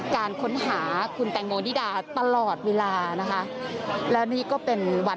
การค้นหาคุณแตงโมนิดาตลอดเวลานะคะ